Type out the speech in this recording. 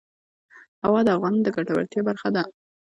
هوا د افغانانو د ګټورتیا برخه ده.